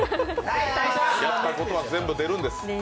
やったことは全部出るんです。